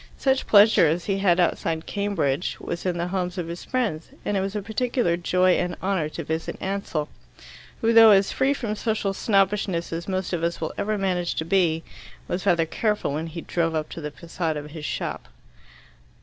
Such pleasure as he had outside Cambridge was in the homes of his friends, and it was a particular joy and honour to visit Ansell, who, though as free from social snobbishness as most of us will ever manage to be, was rather careful when he drove up to the facade of his shop.